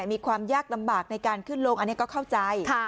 มีความยากลำบากในการขึ้นลงอันนี้ก็เข้าใจ